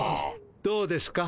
どうですか？